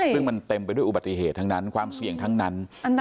ซึ่งมันเต็มไปด้วยอุบัติเหตุทั้งนั้นความเสี่ยงทั้งนั้น